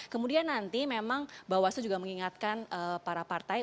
kemudian nanti memang bawah seluruh juga mengingatkan para partai